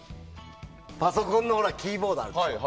パソコンのキーボードあるじゃん。